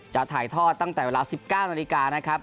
จะถ่ายทอดตั้งแต่เวลา๑๙นาฬิกานะครับ